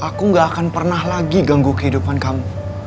aku gak akan pernah lagi ganggu kehidupan kamu